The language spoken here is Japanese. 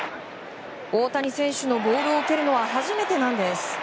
大谷選手のボールを受けるのは初めてなんです。